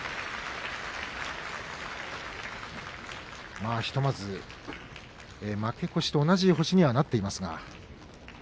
まあひとまず負け越しと同じ星になっています。